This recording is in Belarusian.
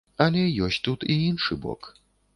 Але ёсць тут і іншы бок.